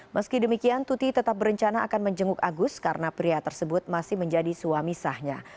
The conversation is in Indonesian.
meski demikian tuti tetap berencana akan menjenguk agus karena pria tersebut masih menjadi suami sahnya